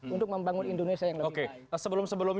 untuk membangun indonesia yang lebih baik